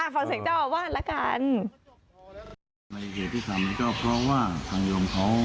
ฟังเสียงเจ้าบ้านละกัน